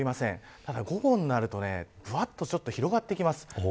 ただ、午後になるとぶわっと広がってきます。